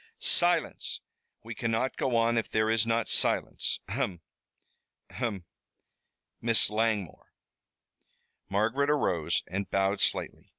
"Silence. We cannot go on if there is not silence. Ahem! ahem! Miss Langmore!" Margaret arose and bowed slightly.